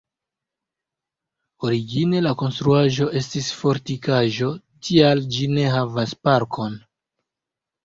Origine la konstruaĵo estis fortikaĵo, tial ĝi ne havas parkon.